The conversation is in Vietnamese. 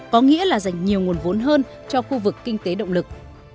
có nghĩa là dành nhiều nguồn vốn hơn cho khu vực kinh tế động lực